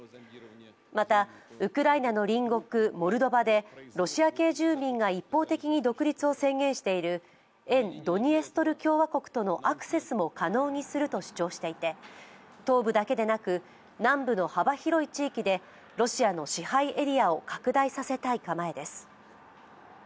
また、ウクライナの隣国モルドバでロシア系住民が一方的に独立を宣言している沿ドニエストル共和国とのアクセスも可能にすると主張していて東部だけでなく、南部の幅広い地域でロシアの支配エリアを拡大させたい構えです。